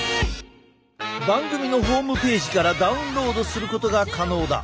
番組のホームページからダウンロードすることが可能だ！